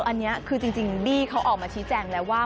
อันนี้คือจริงบี้เขาออกมาชี้แจงแล้วว่า